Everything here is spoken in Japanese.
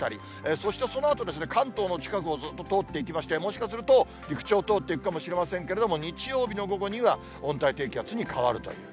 そしてそのあと、関東の近くをずっと通っていきまして、もしかすると、陸地を通っていくかもしれませんけれども、日曜日の午後には、温帯低気圧に変わるという。